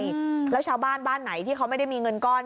อืมแล้วชาวบ้านบ้านไหนที่เขาไม่ได้มีเงินก้อน